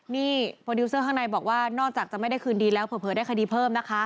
นี่โปรดิวเซอร์ข้างในบอกว่านอกจากจะไม่ได้คืนดีแล้วเผลอได้คดีเพิ่มนะคะ